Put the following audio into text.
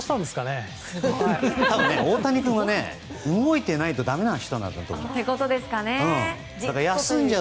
多分、大谷君は動いてないとだめな人なんだと思う。